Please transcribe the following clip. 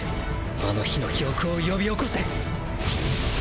あの日の記憶を呼び起こせ！